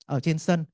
ở trên sân